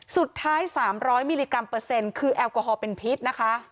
สุดท้าย๓๐๐มิลลิกรัมเปอร์เซ็นต์คือแอลกอฮอลเป็นพิษนะคะ